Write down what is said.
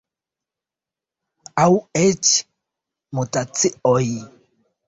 Aŭ eĉ mutacioj.